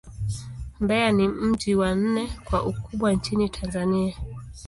Mbeya ni mji wa nne kwa ukubwa nchini Tanzania.